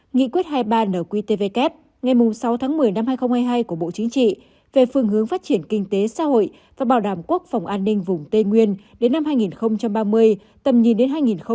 nghị quyết hai mươi ba nqtvk ngày sáu tháng một mươi năm hai nghìn hai mươi hai của bộ chính trị về phương hướng phát triển kinh tế xã hội và bảo đảm quốc phòng an ninh vùng tây nguyên đến năm hai nghìn ba mươi tầm nhìn đến hai nghìn bốn mươi năm